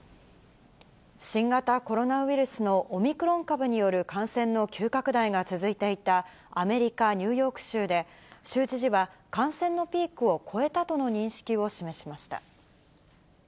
新型コロナウイルスのオミクロン株による感染の急拡大が続いていたアメリカ・ニューヨーク州で、州知事は、感染のピークを越えたとの認識を示しました。